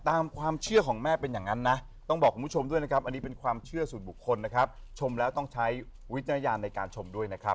ตามความเชื่อของแม่เป็นอย่างนั้นนะต้องบอกคุณผู้ชมด้วยนะครับอันนี้เป็นความเชื่อส่วนบุคคลนะครับชมแล้วต้องใช้วิจารณญาณในการชมด้วยนะครับ